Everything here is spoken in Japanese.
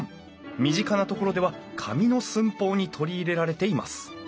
身近なところでは紙の寸法に取り入れられています。